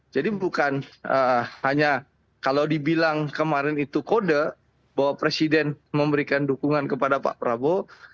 jadi bukan hanya kalau dibilang kemarin itu kode bahwa presiden memberikan dukungan kepada pak prabowo